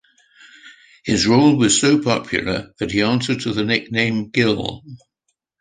His role was so popular that he answered to the nickname "Gil".